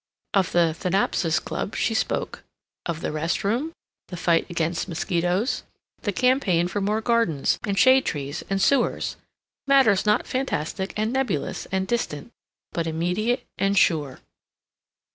Of the Thanatopsis Club she spoke; of the rest room, the fight against mosquitos, the campaign for more gardens and shade trees and sewers matters not fantastic and nebulous and distant, but immediate and sure.